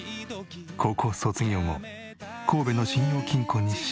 高校卒業後神戸の信用金庫に就職し。